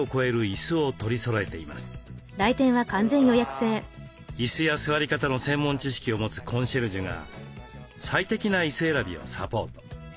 椅子や座り方の専門知識を持つコンシェルジュが最適な椅子選びをサポート。